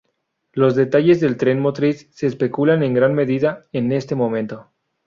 Los detalles del tren motriz se especulan en gran medida en este momento.